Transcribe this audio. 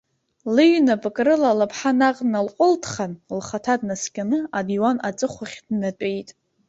Лыҩнапык рыла лыԥҳа наҟ дналҟәылҭхан, лхаҭа днаскьаны, адиуан аҵыхәахь днатәеит.